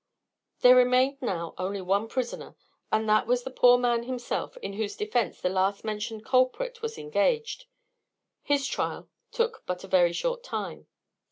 There remained now only one prisoner, and that was the poor man himself in whose defence the last mentioned culprit was engaged. His trial took but a very short time.